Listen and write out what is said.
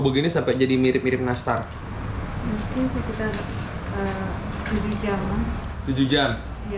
begini sampai jadi mirip mirip nastar mungkin sekitar tujuh jam tujuh jam